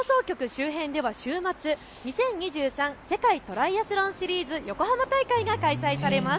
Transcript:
周辺では週末、２０２３世界トライアスロンシリーズ横浜大会が開催されます。